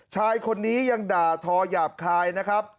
ชายคนนี้ยังด่าทอหยาบคายนะครับ